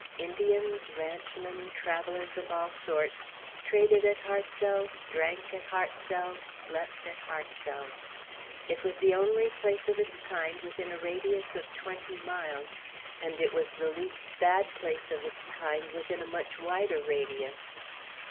Indians, ranchmen, travellers of all sorts, traded at Hartsel's, drank at Hartsel's, slept at Hartsel's. It was the only place of its kind within a radius of twenty miles; and it was the least bad place of its kind within a much wider radius.